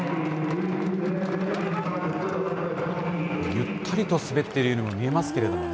ゆったりと滑っているようにも見えますけどね。